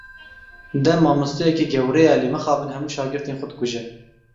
Dem, mamosteyekî gewre ye lê mixabin hemû şagirtên xwe dikuje.